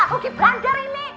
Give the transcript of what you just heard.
rugi beranggar ini